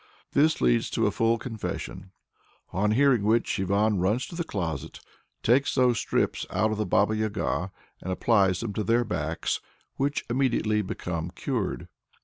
This leads to a full confession, on hearing which Ivan "runs to the closet, takes those strips out of the Baba Yaga, and applies them to their backs," which immediately become cured.